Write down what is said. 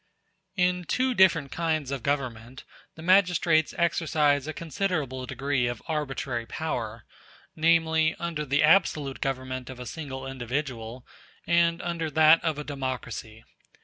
In two different kinds of government the magistrates *a exercise a considerable degree of arbitrary power; namely, under the absolute government of a single individual, and under that of a democracy.